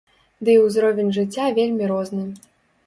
Ды і ўзровень жыцця вельмі розны.